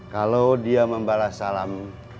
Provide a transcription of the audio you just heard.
kalau dia membalas salam